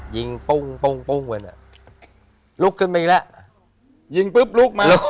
ยิงปุ้งปุ้งปุ้งไปเนี่ยลุกขึ้นไปอีกแล้วยิงปุ๊บลุกมา